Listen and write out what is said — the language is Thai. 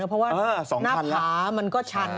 เพราะว่าหน้าผามันก็ชัน